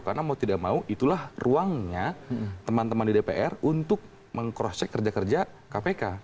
karena mau tidak mau itulah ruangnya teman teman di dpr untuk mengkrossek kerja kerja kpk